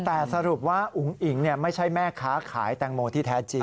แต่สรุปว่าอุ๋งอิ๋งไม่ใช่แม่ค้าขายแตงโมที่แท้จริง